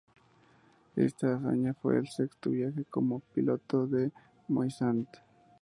Esta hazaña fue el sexto viaje como piloto de Moisant.